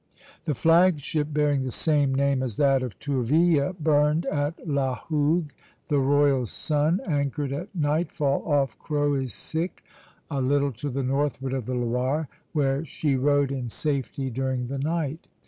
The flag ship bearing the same name as that of Tourville burned at La Hougue, the "Royal Sun," anchored at nightfall off Croisic, a little to the northward of the Loire, where she rode in safety during the night.